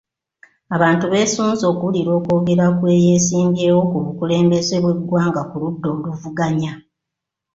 Abantu beesunze okuwulira okwogera kw'eyeesimbyewo ku bukulembeze bw'eggwanga ku ludda oluvuganya.